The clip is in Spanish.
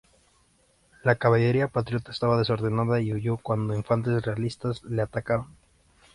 La caballería patriota estaba desordenada y huyo cuando infantes realistas le atacaron.